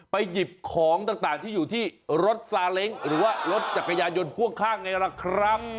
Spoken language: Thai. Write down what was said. หยิบของต่างที่อยู่ที่รถซาเล้งหรือว่ารถจักรยานยนต์พ่วงข้างไงล่ะครับ